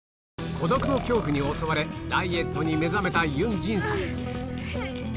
孤独の恐怖に襲われダイエットに目覚めたユン・ジンさん